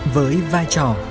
với vai trò